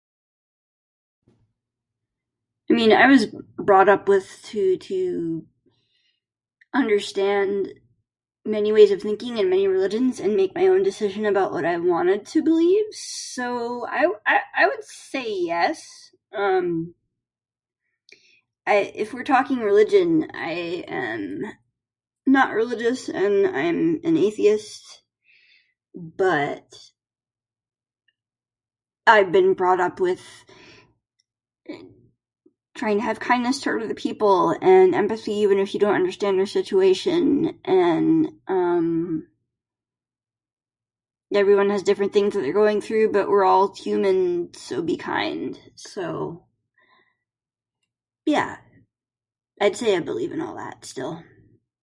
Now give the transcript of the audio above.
I mean, I was brought up with to... to... understand many ways of thinking and many religions and make my own decision about what I wanted to believe. So, I I would say yes, um i- if we're talking religion I, am, not religious and I'm an atheist, but ..., I've been brought up with trying to have kindness toward other people and empathy even if you don't understand their situation and, um, everyone has different things they're going through, but we're all humans so be kind. So, uh, yeah I'd say I believe in all that, still.